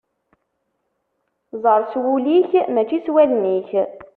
Ẓer s wul-ik mačči s wallen-ik.